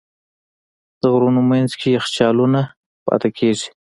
د غرونو منځ کې یخچالونه پاتې کېږي.